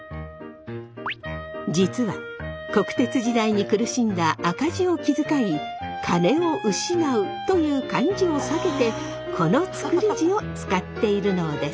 実は国鉄時代に苦しんだ赤字を気遣い金を失うという漢字を避けてこの作り字を使っているのです。